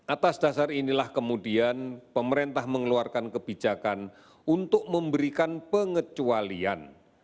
atas dasar inilah kemudian pemerintah mengeluarkan kebijakan untuk memberikan pengecualian